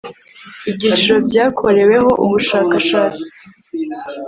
Ibyiciro byakoreweho ubushakashatsi